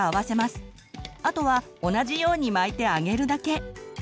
あとは同じように巻いて揚げるだけ！